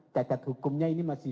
cacat hukumnya ini masih